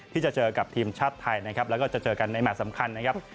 ที่จะเจอกับทีมชาติไทยนะครับแล้วก็จะเจอกันในแมทสำคัญนะครับ